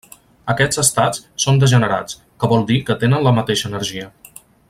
Aquests estats són degenerats, que vol dir que tenen la mateixa energia.